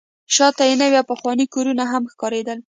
شاته یې نوي او پخواني کورونه هم ښکارېدل.